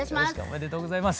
おめでとうございます。